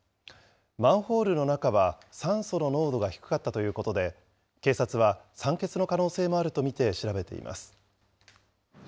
マンホールの中は酸素の濃度が低かったということで、警察は酸欠の可能性もあると見て調べています。